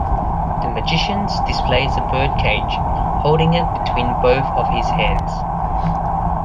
The magician displays a bird cage, holding it between both of his hands.